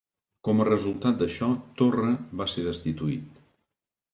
Com a resultat d'això, Torre va ser destituït.